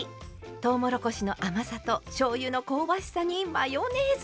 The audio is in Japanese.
とうもろこしの甘さとしょうゆの香ばしさにマヨネーズ。